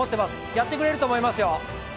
やってくれると思いますよ！